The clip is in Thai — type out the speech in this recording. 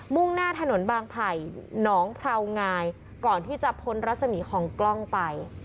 ่งหน้าถนนบางไผ่หนองพราวงายก่อนที่จะพ้นรัศมีของกล้องไป